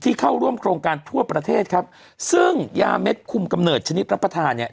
เข้าร่วมโครงการทั่วประเทศครับซึ่งยาเม็ดคุมกำเนิดชนิดรับประทานเนี่ย